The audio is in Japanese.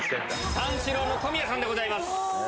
三四郎の小宮さんでございます。